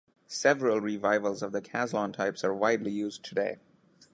Several revivals of the Caslon types are widely used today.